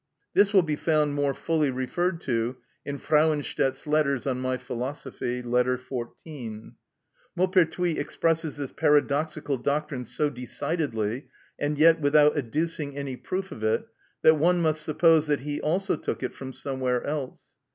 This will be found more fully referred to in Frauenstädt's letters on my philosophy, Letter 14. Maupertuis expresses this paradoxical doctrine so decidedly, and yet without adducing any proof of it, that one must suppose that he also took it from somewhere else.